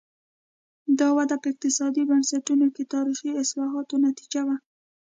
دا وده په اقتصادي بنسټونو کې تاریخي اصلاحاتو نتیجه وه.